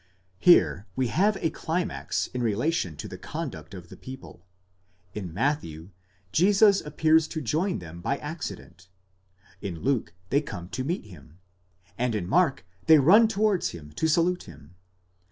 Here we have a climax in relation to the con duct of the people; in Matthew, Jesus appears to join them by accident; in Luke, they come to meet him; and in Mark, they run towards him to salute him.